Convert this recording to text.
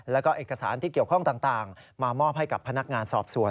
แล้วก็เอกสารที่เกี่ยวข้องต่างมามอบให้กับพนักงานสอบสวน